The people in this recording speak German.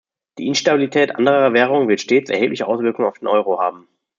Die Instabilität anderer Währungen wird stets erhebliche Auswirkungen auf den Euro haben.